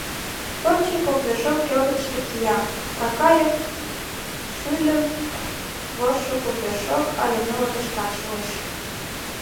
Пырче кок вершок келгытыште кия, а кайык шӱльын вожшо кум вершок, але нылытышкат шуэш.